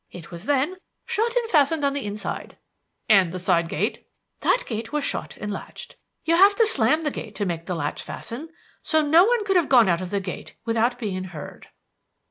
It was then shut and fastened on the inside." "And the side gate?" "That gate was shut and latched. You have to slam the gate to make the latch fasten, so no one could have gone out of the gate without being heard."